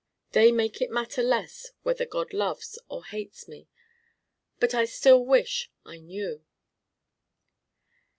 they make it matter less whether God loves or hates me, but I still wish I knew.